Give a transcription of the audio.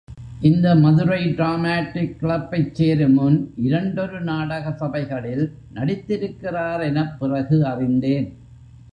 இந்த மதுரை டிராமாடிக் கிளப்பைச் சேருமுன், இரண்டொரு நாடக சபைகளில் நடித்திருக்கிறார் எனப் பிறகு அறிந்தேன்.